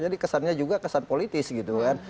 jadi kesannya juga kesan politis gitu kan